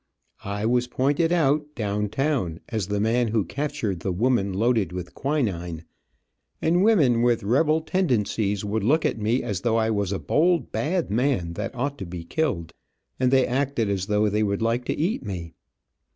I was pointed out, down town, as the man who captured the woman loaded with quinine, and women with rebel tendencies would look at me as though I was a bold, bad man that ought to be killed, and they acted as though they would like to eat me.